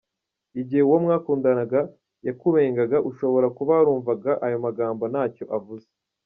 Igihe uwo mwakundanaga yakubengaga, ushobora kuba warumvaga ayo magambo nta cyo avuze.